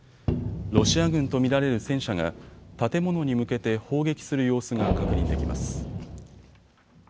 ロシア軍と見られる戦車が建物に向けて砲撃する様子が確認できます。